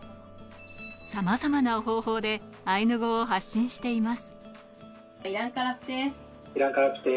さまざまな方法でアイヌ語を発信しています。